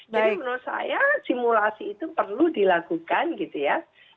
jadi menurut saya simulasi itu perlu dilakukan gitu ya